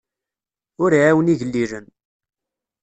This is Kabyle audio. Ur iɛawen igellilen.